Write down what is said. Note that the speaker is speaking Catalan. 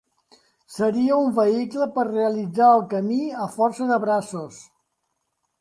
Seria un vehicle per realitzar el camí a força de braços.